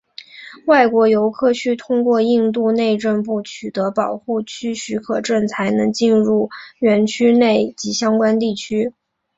外国游客需通过印度内政部取得保护区许可证才能进入园区内及相关地区。